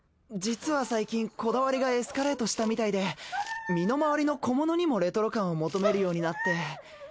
実は最近こだわりがエスカレートしたみたいで身の回りの小物にもレトロ感を求めるようになって。